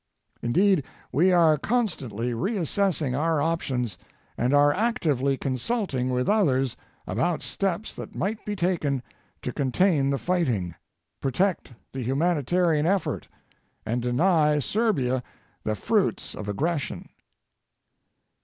Indeed, we are constantly reassessing our options and are actively consulting with others about steps that might be taken to contain the fighting, protect the humanitarian effort, and deny Serbia the fruits of aggression.